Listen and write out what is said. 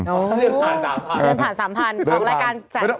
ออกรายการสามแพทย์